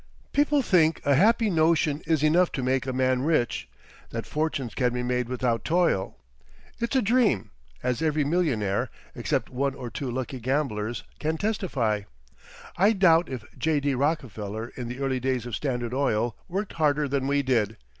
People think a happy notion is enough to make a man rich, that fortunes can be made without toil. It's a dream, as every millionaire (except one or two lucky gamblers) can testify; I doubt if J.D. Rockefeller in the early days of Standard Oil, worked harder than we did.